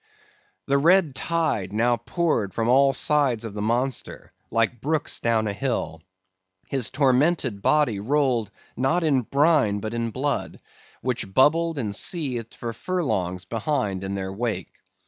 The red tide now poured from all sides of the monster like brooks down a hill. His tormented body rolled not in brine but in blood, which bubbled and seethed for furlongs behind in their wake.